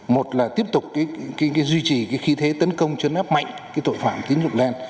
một là tiếp tục duy trì khí thế tấn công chấn áp mạnh tội phạm tín dụng đen